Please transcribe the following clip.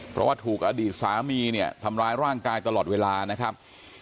เพราะว่าถูกอดีตสามีเนี่ยทำร้ายร่างกายตลอดเวลานะครับ